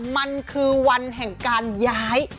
มันคือวันแห่งการย้าย